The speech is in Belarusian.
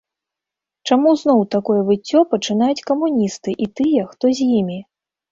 Чаму зноў такое выццё пачынаюць камуністы і тыя, хто з імі?